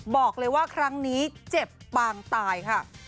บอกเลยว่าครั้งนี้เจ็บปางตายค่ะ